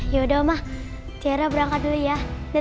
yaudah omah tiara berangkat dulu ya